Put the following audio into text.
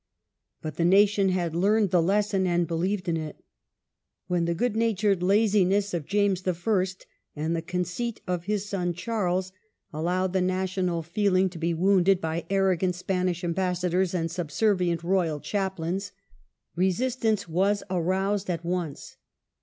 But the nation had learned the lesson and believed in it. When the good natured laziness of James I. and the conceit of his son Charles allowed the national feeling to SOVEREIGNTY THE QUESTION OF THE CENTURY. 5 be wounded by arrogant Spanish ambassadors and sub servient royal chaplains, resistance was aroused at once.